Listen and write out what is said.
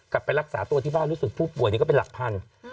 กลับไปรักษาตัวที่บ้านรู้สึกผู้ป่วยนี้ก็เป็นหลักพัน